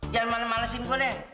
jangan males malesin gua deh